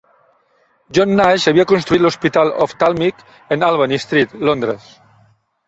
John Nash havia construït l'Hospital Oftàlmic en Albany Street, Londres.